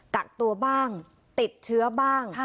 กักตัวบ้างติดเชื้อบ้าง